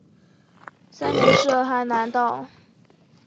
三年设赣南道。